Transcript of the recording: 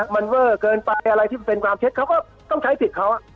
มันเวอร์เกินไปอะไรที่มันเป็นความเท็จเขาก็ต้องใช้สิทธิ์เขา